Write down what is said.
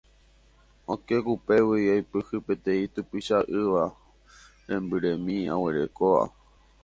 Okẽ kupégui aipyhy peteĩ typycha ýva rembyremi aguerekóva.